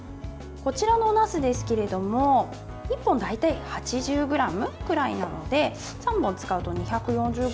こちらの、おなすですけれども１本、大体８０ｇくらいなので３本使うと２４０ｇ。